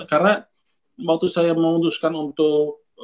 karena waktu saya memutuskan untuk